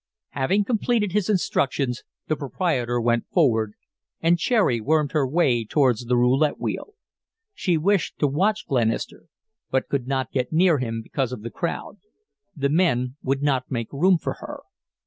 Having completed his instructions, the proprietor went forward, and Cherry wormed her way towards the roulette wheel. She wished to watch Glenister, but could not get near him because of the crowd. The men would not make room for her.